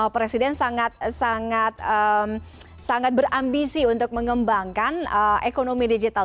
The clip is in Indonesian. presiden sangat sangat berambisi untuk mengembangkan ekonomi digital